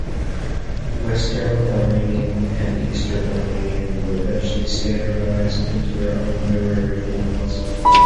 Western Armenian and Eastern Armenian were eventually standardized into their own literary forms.